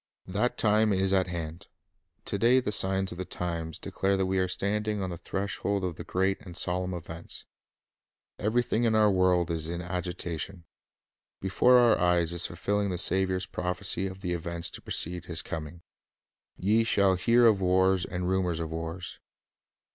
That time is at hand. To day the signs of the ,S ' A '" S "' the Times times declare that we are standing on the threshold of great and solemn events. Everything in our world is in agitation. Before our eyes is fulfilling the Saviour's prophecy of the events to precede His coming: "Ye shall hear of wars and rumors of wars.